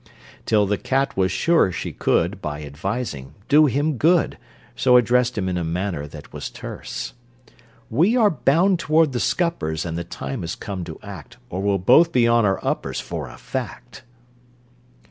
Till the cat was sure she could, By advising, do him good So addressed him in a manner that was terse: "We are bound toward the scuppers, And the time has come to act, Or we'll both be on our uppers For a fact!"